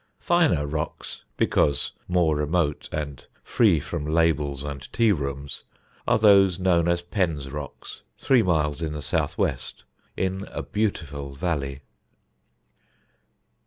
Finer rocks, because more remote and free from labels and tea rooms, are those known as Penn's Rocks, three miles in the south west, in a beautiful valley.